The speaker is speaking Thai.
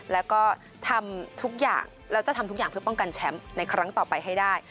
แล้วก็ทำทุกอย่างแล้วจะทำทุกอย่างเพื่อป้องกันแชมป์ในครั้งต่อไปให้ได้